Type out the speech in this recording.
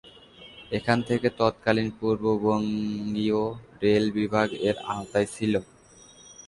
এখান থেকে তৎকালীন পূর্ব বঙ্গীয় রেল বিভাগ এর আওতায় ছিল।